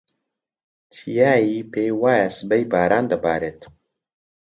چیایی پێی وایە سبەی باران دەبارێت.